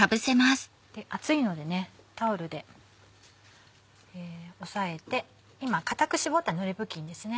熱いのでタオルで押さえて今固く絞ったぬれ布巾ですね。